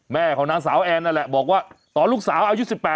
ของนางสาวแอนนั่นแหละบอกว่าตอนลูกสาวอายุ๑๘